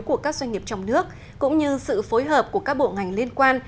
của các doanh nghiệp trong nước cũng như sự phối hợp của các bộ ngành liên quan